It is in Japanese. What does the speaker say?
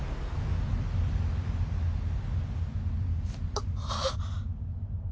あっ。